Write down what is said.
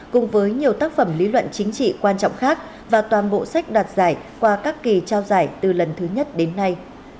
cùng với nhiều tác phẩm lý luận chính trị quan trọng khác và toàn bộ sách đoạt giải qua các kỳ trao giải từ lần thứ nhất đến nay